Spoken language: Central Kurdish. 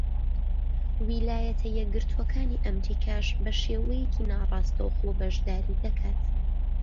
ویلایەتە یەکگرتووەکانی ئەمریکاش بە شێوەیەکی ناڕاستەوخۆ بەشداری دەکات.